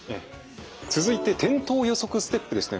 続いて転倒予測ステップですね。